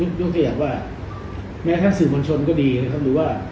ก็จะอยากว่าแม้ค่ะสื่อปัญชนก็ดีแล้ว